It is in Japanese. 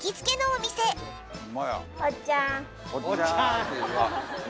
「おっちゃん」って。